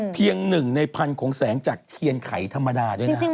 หนึ่งในพันของแสงจากเทียนไข่ธรรมดาด้วยนะ